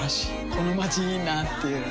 このまちいいなぁっていう